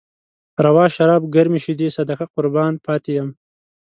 روا شراب، ګرمې شيدې، صدقه قربان پاتې يم